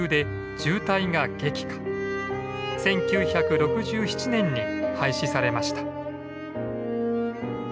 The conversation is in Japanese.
１９６７年に廃止されました。